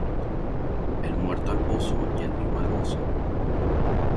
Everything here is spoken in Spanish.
El muerto al pozo y el vivo al gozo.